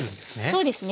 そうですね。